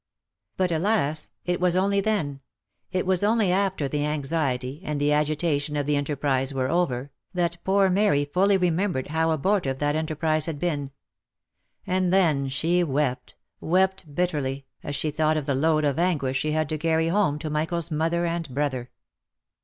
But, alas ! it was only then ; it was only after the anxiety, and the agitation of the enterprise were over, that poor Mary fully remem bered how abortive that enterprise had been ; and then she wept, wept bitterly, as she thought of the load of anguish she had to carry home to Michael's mother and brother.